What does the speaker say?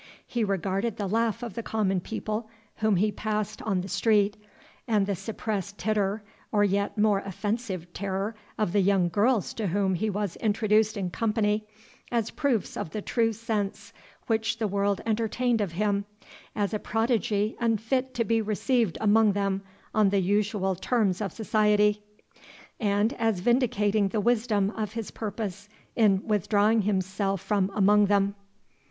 He regarded the laugh of the common people whom he passed on the street, and the suppressed titter, or yet more offensive terror, of the young girls to whom he was introduced in company, as proofs of the true sense which the world entertained of him, as a prodigy unfit to be received among them on the usual terms of society, and as vindicating the wisdom of his purpose in withdrawing himself from among them.